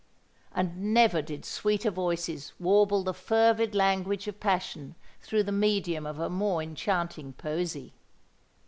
And never did sweeter voices warble the fervid language of passion through the medium of a more enchanting poesy!